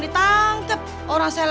dia jawab bela